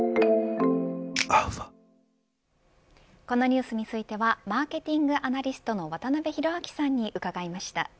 このニュースについてはマーケティングアナリストの渡辺広明さんに伺いました。